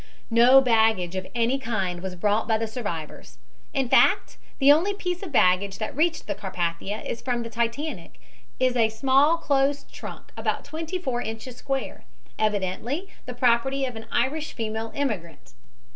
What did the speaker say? "No baggage of any kind was brought by the survivors. In fact, the only piece of baggage that reached the Carpathia from the Titanic is a small closed trunk about twenty four inches square, evidently the property of an Irish female immigrant.